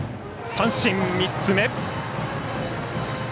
三振３つ目。